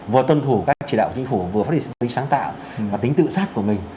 vừa tuân thủ các chỉ đạo của chính phủ vừa phát triển tính sáng tạo và tính tự xác của mình